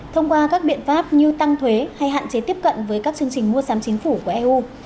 thông qua các biện pháp như tăng thuế hay hạn chế tiếp cận với các chương trình mua sắm chính phủ của eu